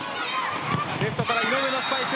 レフトから井上のスパイク。